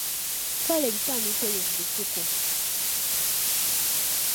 Twala ebisaaniiko ebyo mu lusuku.